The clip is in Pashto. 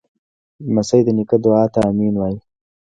لمسی د نیکه دعا ته “امین” وایي.